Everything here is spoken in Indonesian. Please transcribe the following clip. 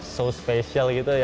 so special gitu ya